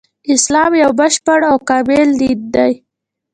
اسلام يو بشپړ او کامل دين دی